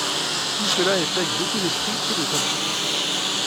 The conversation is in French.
Tout cela est fait avec beaucoup d'esprit et de talent.